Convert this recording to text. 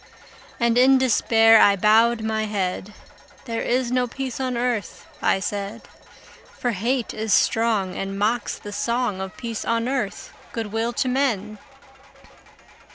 And in despair I bowed my head; "There is no peace on earth," I said: "For hate is strong, And mocks the song Of peace on earth, good will to men!"